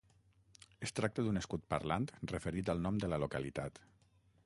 Es tracta d'un escut parlant referit al nom de la localitat.